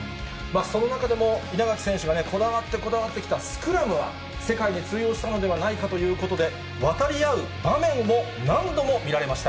その中でも、稲垣選手はね、こだわって、こだわってきたスクラムは、世界で通用したのではないかということで、渡り合う場面も何度も見られました。